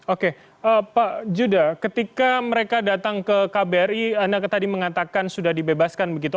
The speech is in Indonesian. oke pak judah ketika mereka datang ke kbri anda tadi mengatakan sudah dibebaskan begitu